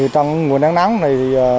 trong mùa nắng nắng này